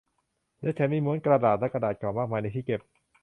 และฉันมีม้วนกระดาษและกระดาษเก่ามากมายในที่เก็บ